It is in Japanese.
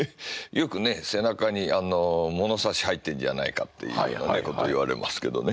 よくね背中に物差し入ってんじゃないかっていうようなこと言われますけどね。